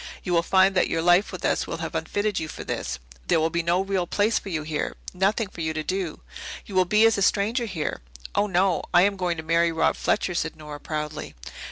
You will find that your life with us will have unfitted you for this. There will be no real place for you here nothing for you to do. You will be as a stranger here." "Oh, no. I am going to marry Rob Fletcher," said Nora proudly.